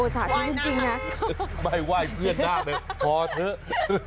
โอศาสตร์จริงนะครับไหว้หน้าไม่ไหว้เพื่อนหน้าเลยพอเถอะ